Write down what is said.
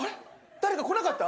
誰か来なかった？